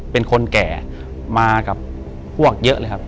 อยู่ที่แม่ศรีวิรัยิลครับ